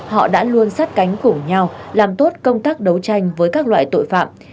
họ đã luôn sát cánh cùng nhau làm tốt công tác đấu tranh với các loại tội phạm